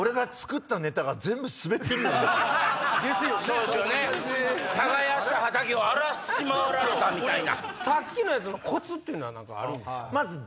そうですよね耕した畑を荒らし回られたみたいな。